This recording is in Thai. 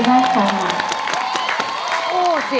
ดูเขาเล็ดดมชมเล่นด้วยใจเปิดเลิศ